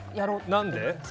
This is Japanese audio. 何で？